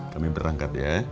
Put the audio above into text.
kami berangkat ya